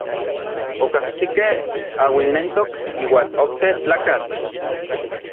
Okajsikej auilnentok iuan okse tlakatl.